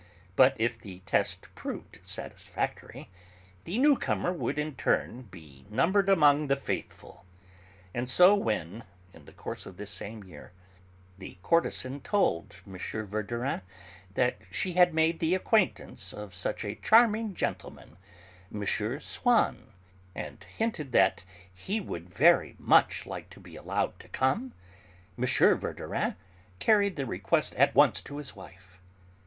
But if the test proved satisfactory, the newcomer would in turn be numbered among the 'faithful.' And so when, in the course of this same year, the courtesan told M. Verdurin that she had made the acquaintance of such a charming gentleman, M. Swann, and hinted that he would very much like to be allowed to come, M. Verdurin carried the request at once to his wife.